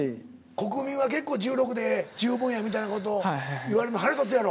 国民は結構１６で十分やみたいな事言われるの腹立つやろ。